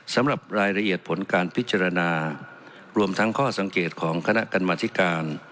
สำหรับรายละเอียดผลการพิจารณารวมทั้งข้อสังเกตของคณะกรรมธิการ